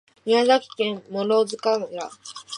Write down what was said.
宮崎県諸塚村